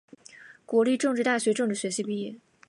国立政治大学政治学系毕业。